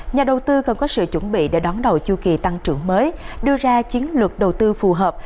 nhà đầu tư còn có sự chuẩn bị để đón đầu chu kỳ tăng trưởng mới đưa ra chiến lược đầu tư phù hợp